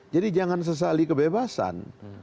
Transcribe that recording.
jadi jangan sesali kebebasan